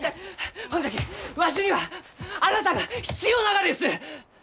ほんじゃきわしにはあなたが必要ながです！